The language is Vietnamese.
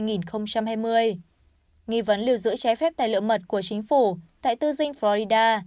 nghị vấn liều giữ trái phép tài lượng mật của chính phủ tại tư dinh florida